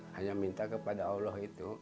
hanya minta kepada allah itu